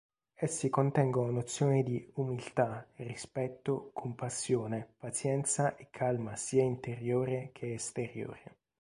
Essi contengono nozioni di umiltà, rispetto, compassione, pazienza e calma sia interiore che esteriore.